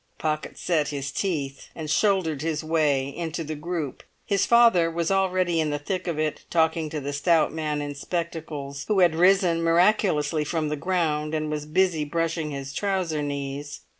Pocket set his teeth, and shouldered his way into the group. His father was already in the thick of it, talking to the stout man in spectacles, who had risen miraculously from the ground and was busy brushing his trouser knees.